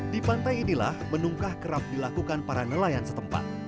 di pantai inilah menungkah kerap dilakukan para nelayan setempat